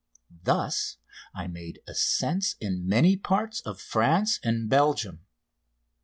Thus I made ascents in many parts of France and Belgium.